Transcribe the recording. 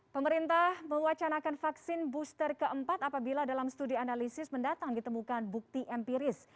pemerintah mewacanakan vaksin booster keempat apabila dalam studi analisis mendatang ditemukan bukti empiris